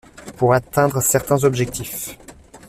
Pour atteindre certains objectifs.